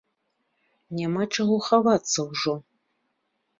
Няма чаго хавацца ўжо!